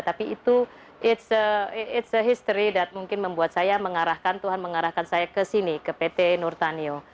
tapi itu it's a history that mungkin membuat saya mengarahkan tuhan mengarahkan saya ke sini ke pt nur tanyo